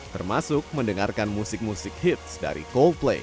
termasuk mendengarkan musik musik hits dari coldplay